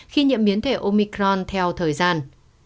khi nhiễm biến thể omicron theo thời gian